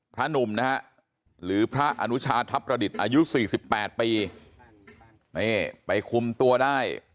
หนุ่มนะฮะหรือพระอนุชาทัพประดิษฐ์อายุ๔๘ปีนี่ไปคุมตัวได้